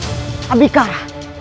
siapa itu abikar